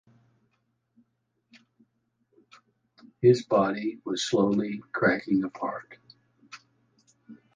His body was slowing cracking apart.